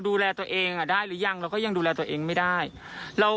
ดูแลตัวเองอ่ะได้หรือยังเราก็ยังดูแลตัวเองไม่ได้เรา